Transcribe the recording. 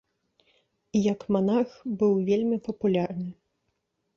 Як манарх быў вельмі папулярны.